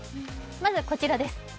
まずはこちらです。